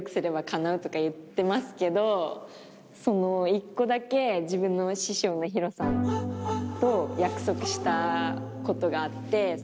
１個だけ自分の師匠のＨＩＲＯさんと約束したことがあって。